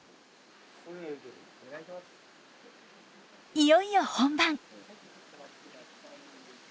いよいよ本番。